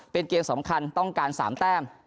เป็นเกมสำคัญต้องการ๓แต้ม